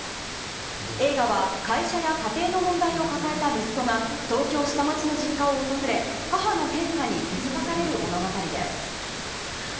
映画は会社や家庭の問題を抱えた息子が、東京下町の実家を訪れ、母の変化に気付かされる物語です。